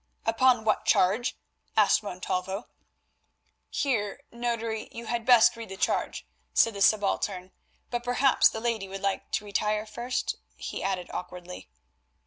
"Upon what charge?" asked Montalvo. "Here, notary, you had best read the charge," said the subaltern, "but perhaps the lady would like to retire first," he added awkwardly.